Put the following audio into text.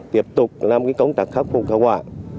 tiếp tục làm công tác khắc phục cao quả